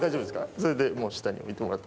それで下に置いてもらって。